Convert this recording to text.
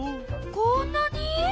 こんなに？